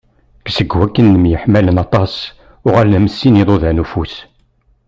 Seg wakken myeḥmalen aṭas, uγalen am sin n yiḍudan n ufus.